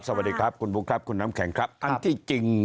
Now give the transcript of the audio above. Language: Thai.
สวัสดีครับคุณบุ๊คครับคุณน้ำแข็งครับอันที่จริง